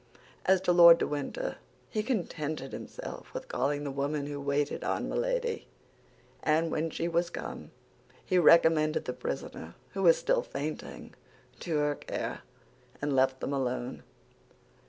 As to Lord de Winter, he contented himself with calling the woman who waited on Milady, and when she was come, he recommended the prisoner, who was still fainting, to her care, and left them alone.